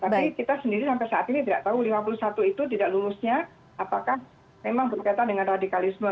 tapi kita sendiri sampai saat ini tidak tahu lima puluh satu itu tidak lulusnya apakah memang berkaitan dengan radikalisme